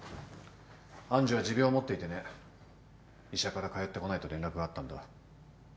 愛珠は持病を持っていてね医者から帰ってこないと連絡があったんだ。